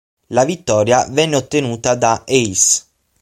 La vittoria venne ottenuta da Ace.